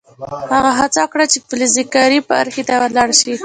هغه هڅه وکړه چې فلزکاري برخې ته لاړ شي